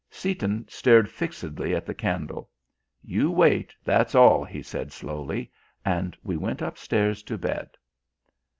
Seaton stared fixedly at the candle. "You wait, that's all," he said slowly. And we went upstairs to bed.